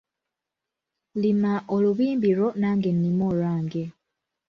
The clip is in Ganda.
Lima olubimbi lwo nange nnime olwange.